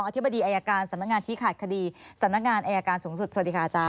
ธิบดีอายการสำนักงานชี้ขาดคดีสำนักงานอายการสูงสุดสวัสดีค่ะอาจาร